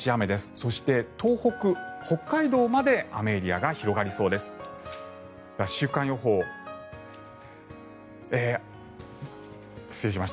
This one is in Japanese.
そして、東北、北海道まで雨エリアが広がりそうです。